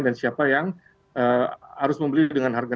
dan siapa yang harus membeli dengan harga